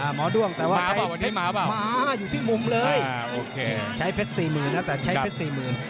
หมอด้วงแต่ว่ามาอยู่ที่มุมเลยใช้เพชร๔๐๐๐๐นะแต่ใช้เพชร๔๐๐๐๐